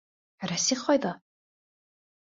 Рәсих ҡайҙа?